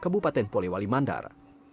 bupaten poliwali mandar